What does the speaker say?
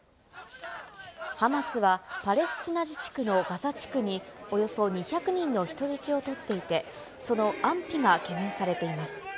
ハマスは、パレスチナ自治区のガザ地区におよそ２００人の人質を取っていて、その安否が懸念されています。